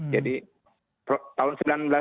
jadi tahun seribu sembilan ratus dua puluh dua